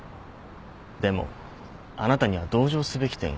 でもあなたには同情すべき点がある。